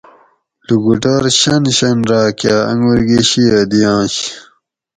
لُکوٹور شن شن راۤکۤہ انگور گشیہ دِیاۤںش